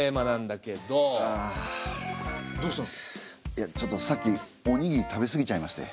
いやちょっとさっきおにぎり食べ過ぎちゃいまして。